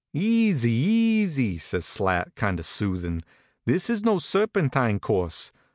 " Easy, easy," says Slat, kind of soothin . This is no serpentine course.